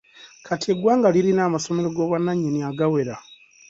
Kati, eggwanga lirina amasomero g'obwannanyini agawera.